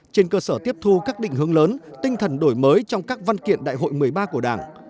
trên cơ sở tiếp thu các định hướng lớn tinh thần đổi mới trong các văn kiện đại hội một mươi ba của đảng